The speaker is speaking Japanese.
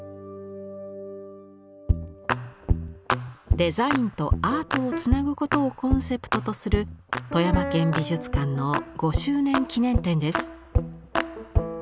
デザインとアートをつなぐことをコンセプトとする富山県美術館の５周年記念展です。